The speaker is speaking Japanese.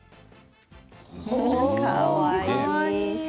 かわいい。